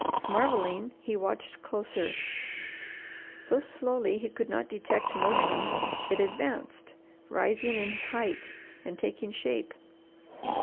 Marvelling, he watched closer. So slowly he could not detect motion it advanced, rising in height and taking shape.